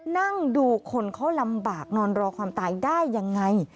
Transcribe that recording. นั่งดูคนเขาลำบากนอนรอความตายได้ยังไง